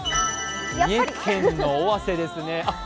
三重県の尾鷲ですね。